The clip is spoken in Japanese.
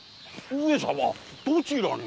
上様どちらに？